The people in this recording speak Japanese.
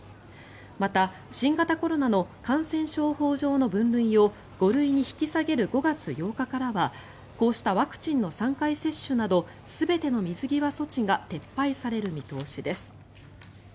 また、新型コロナの感染症法上の分類を５類に引き下げる５月８日からはこうしたワクチンの３回接種など全ての水際措置が撤廃される見通しです。